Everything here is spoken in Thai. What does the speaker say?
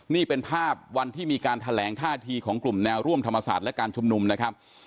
นี่เป็นภาพวันที่มีการแถลงท่าทีของกลุ่มแนวร่วมธรรมศาสตร์และการชุมนุมนะครับ